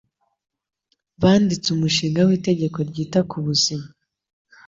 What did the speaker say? Banditse umushinga w'itegeko ryita ku buzima.